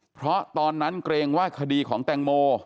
เพราะตอนนั้นเกรงว่าคดีของแตงโม